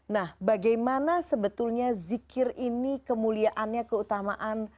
nah bagaimana sebetulnya zikir ini kemuliaannya keutamaan